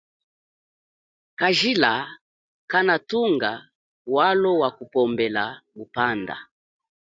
Kajila kanathunga walo waku pombela muphanda.